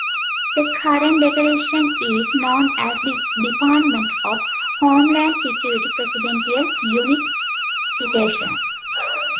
The current decoration is known as the "Department of Homeland Security Presidential Unit Citation".